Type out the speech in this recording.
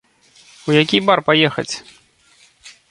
У які бар паехаць?